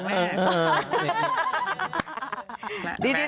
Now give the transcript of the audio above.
เออเออเออ